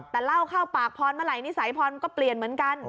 แต่เล่าเข้าปากพรเมื่อไหร่นิสัยพรก็เปลี่ยนเหมือนกัน